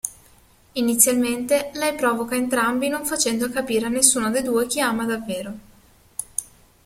Inizialmente lei provoca entrambi non facendo capire a nessuno dei due chi ama davvero.